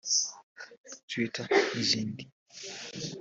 Twitter n’izindi